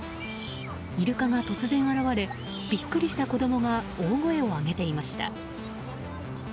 イルカが突然、現れビックリした子供が大声を上げていました。